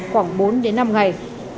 khoảng bốn đến năm ngày